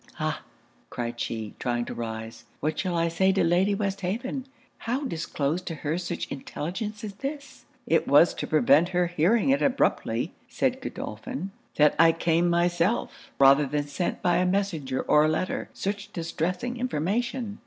'Ah!' cried she, trying to rise, 'what shall I say to Lady Westhaven? How disclose to her such intelligence as this?' 'It was to prevent her hearing it abruptly,' said Godolphin, 'that I came myself, rather than sent by a messenger or a letter, such distressing information.'